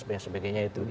tadi sebagainya itu